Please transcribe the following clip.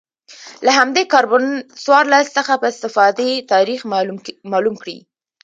له همدې کاربن څوارلس څخه په استفادې تاریخ معلوم کړي